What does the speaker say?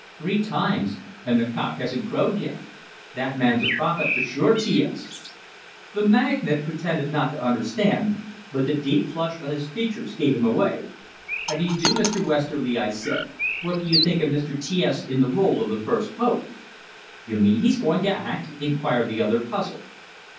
"Three times and the cock hasn't crowed yet! That man's a prophet for sure, T S!" The magnate pretended not to understand, but the deep flush on his features gave him away. "How dy'do, Mr. Westerly," I said. "What do you think of Mr. T S in the role of the first pope?" "You mean he's going to act?" inquired the other, puzzled.